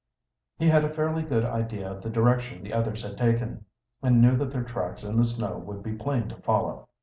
He had a fairly good idea of the direction the others had taken, and knew that their tracks in the snow would be plain to follow.